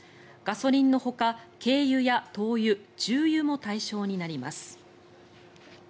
ガソリンのほか軽油や灯油、重油も対象になります。